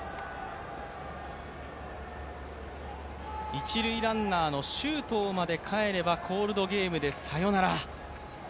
一塁ランナーの周東まで返ればコールドゲームでサヨナラ。